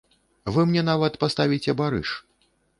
Вы мне нават паставіце барыш.